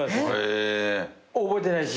覚えてないし？